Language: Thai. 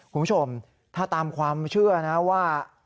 คุณผู้ชมถ้าตามความเชื่อนะว่า